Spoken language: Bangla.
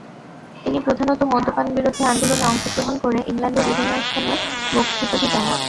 তিনি প্রধানত মদ্যপান-বিরোধী আন্দোলনে অংশগ্রহণ করে ইংল্যান্ডের বিভিন্ন স্থানে বক্তৃতাদি দেন।